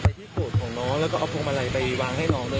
ที่โกรธของน้องแล้วก็เอาพวงมาลัยไปวางให้น้องเลย